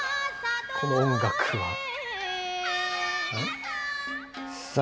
この音楽は。